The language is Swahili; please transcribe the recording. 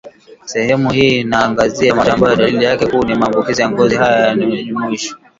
Sehemu hii inaangazia magonjwa ambayo dalili yake kuu ni maambukizi ya ngozi Haya yanajumuisha